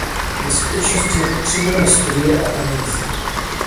Ve skutečnosti nepotřebujeme studie a analýzy.